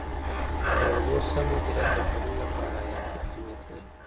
د اوبو سم مدیریت د کرنې لپاره حیاتي اهمیت لري.